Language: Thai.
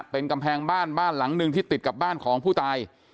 เป็นกำแพงบ้านบ้านหลังหนึ่งที่ติดกับบ้านของผู้ตาย